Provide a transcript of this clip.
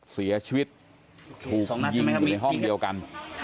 เสียชีวิตถูกยิงอยู่ในห้องเดียวกัน